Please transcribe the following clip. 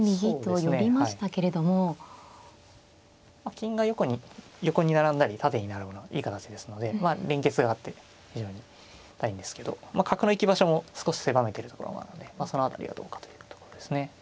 金が横に並んだり縦に並ぶのはいい形ですので連結があって非常に堅いんですけど角の行き場所も少し狭めているところもあるのでその辺りがどうかというところですね。